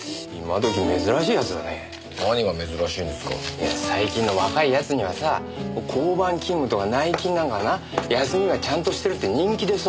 いや最近の若い奴にはさ交番勤務とか内勤なんかがな休みがちゃんとしてるって人気でさ。